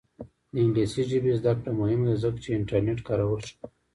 د انګلیسي ژبې زده کړه مهمه ده ځکه چې انټرنیټ کارول ښه کوي.